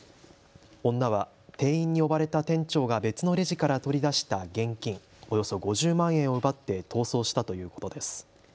女は店員に呼ばれた店長が別のレジから取り出した現金およそ５０万円を奪って逃走したということです。